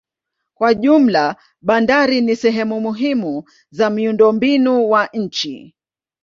Kwa jumla bandari ni sehemu muhimu za miundombinu wa nchi.